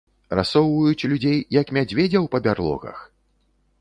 Рассоўваюць людзей, як мядзведзяў па бярлогах?